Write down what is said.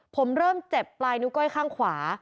ผมเริ่มเจ็บปลายนิ้วก้อยข้างขวา